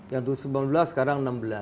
yang sembilan belas sekarang enam belas